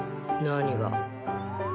何が？